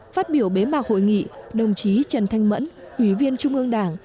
phát biểu bế mạc hội nghị đồng chí trần thanh mẫn ủy viên trung ương đảng